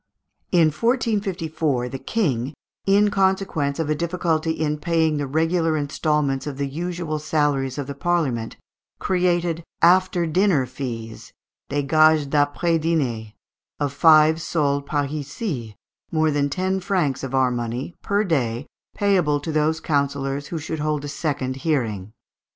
In 1454 the King, in consequence of a difficulty in paying the regular instalments of the usual salaries of the Parliament, created "after dinner fees" (des gages d'après dînées) of five sols parisis more than ten francs of our money per day, payable to those councillors who should hold a second hearing.